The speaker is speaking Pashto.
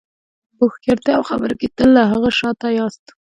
په هوښیارتیا او خبرو کې تل له هغه شاته یاست.